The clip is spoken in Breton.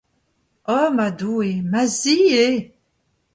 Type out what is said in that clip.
Oh ma Doue, ma zi eo!